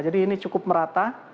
jadi ini cukup merata